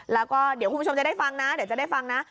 แล้วก็เดี๋ยวคุณผู้ชมจะได้ฟังนะ